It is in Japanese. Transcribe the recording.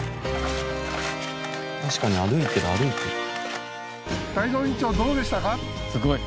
確かに歩いてる歩いてる。